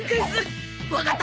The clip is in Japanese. わかった！